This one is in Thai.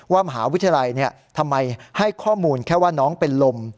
มหาวิทยาลัยทำไมให้ข้อมูลแค่ว่าน้องเป็นลม